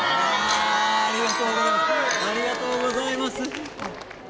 ありがとうございます。